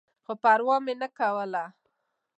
خو پروا مې نه کوله.